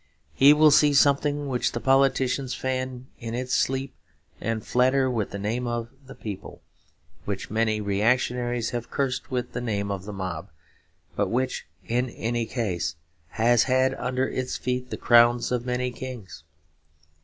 He will see something which the politicians fan in its sleep and flatter with the name of the people, which many reactionaries have cursed with the name of the mob, but which in any case has had under its feet the crowns of many kings.